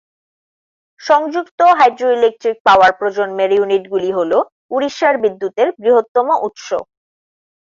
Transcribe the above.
সংযুক্ত hydroelectric power প্রজন্মের ইউনিটগুলি হ'ল উড়িষ্যার বিদ্যুতের বৃহত্তম উৎস।